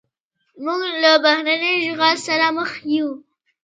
موږ له بهرني اشغال سره مخ یو.